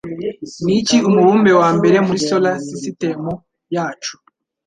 Niki Umubumbe Wambere Muri Solar Sisitemu Yacu